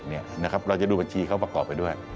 เราจะดูบัญชีเขาประกอบไปด้วย